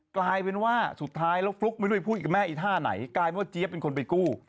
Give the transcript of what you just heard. กลายเป็นว่าสุดท้ายแล้วฟลุ๊กไม่รู้ไปพูดกับแม่ไอ้ท่าไหนกลายเป็นว่าเจี๊ยบเป็นคนไปกู้